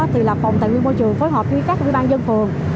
thì là phòng thành viên môi trường phối hợp với các ủy ban dân phường